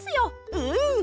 うん！